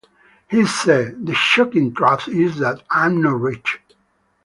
He said: The shocking truth is, that I'm not rich.